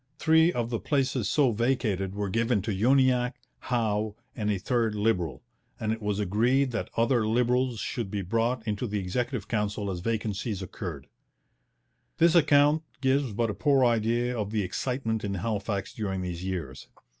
Three of the places so vacated were given to Uniacke, Howe, and a third Liberal, and it was agreed that other Liberals should be brought into the Executive Council as vacancies occurred. This account gives but a poor idea of the excitement in Halifax during these years.